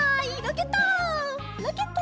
ロケット！